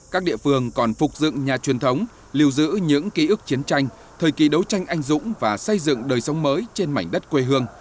các địa phương còn phục dựng nhà truyền thống lưu giữ những ký ức chiến tranh thời kỳ đấu tranh anh dũng và xây dựng đời sống mới trên mảnh đất quê hương